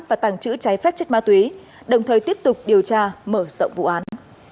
và tàng trữ trái phép chất ma túy đồng thời tiếp tục điều tra mở rộng vụ án